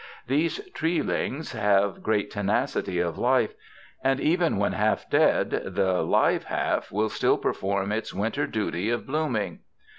These treelings have great tenacity of life, and even when half dead the live half will still perform its winter duty of bloom ing.